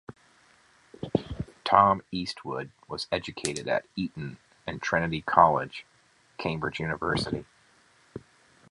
Tom Eastwood was educated at Eton and Trinity College, Cambridge University.